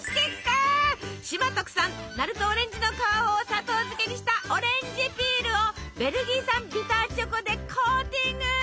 島特産鳴門オレンジの皮を砂糖漬けにしたオレンジピールをベルギー産ビターチョコでコーティング！